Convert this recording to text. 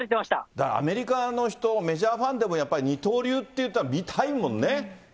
だからアメリカの人も、メジャーファンでも、やっぱり二刀流っていったら、見たいもんね。